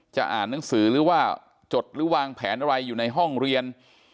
อ่านหนังสือหรือว่าจดหรือวางแผนอะไรอยู่ในห้องเรียน